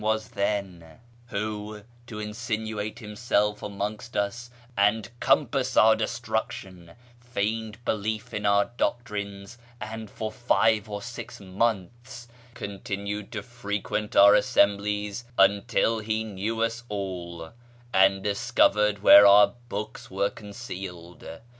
AMONGST THE KALANDARS 515 who, to insinuate himself amongst us and compass our destruc tion, feigned belief in our doctrines, and for five or six months continued to frequent our assemblies until he knew us all, and discovered where our books were concealed.